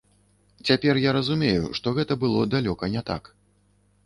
Цяпер я разумею, што гэта было далёка не так.